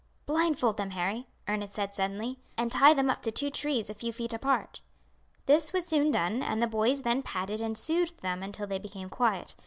"Blindfold them, Harry," Ernest said suddenly, "and tie them up to two trees a few feet apart." This was soon done, and the boys then patted and soothed them until they became quiet.